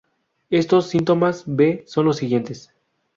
Estos "síntomas B" son los siguientes.